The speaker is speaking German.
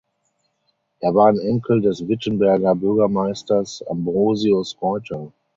Er war ein Enkel des Wittenberger Bürgermeisters Ambrosius Reuter.